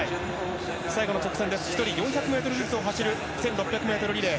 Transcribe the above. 最後の直線１人４００ｍずつを走る１６００ｍリレー。